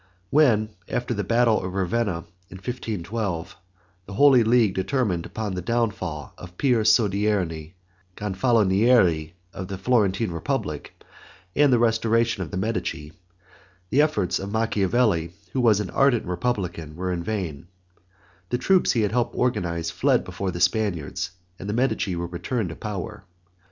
When, after the battle of Ravenna in 1512 the holy league determined upon the downfall of Pier Soderini, Gonfaloniere of the Florentine Republic, and the restoration of the Medici, the efforts of Machiavelli, who was an ardent republican, were in vain; the troops he had helped to organize fled before the Spaniards and the Medici were returned to power.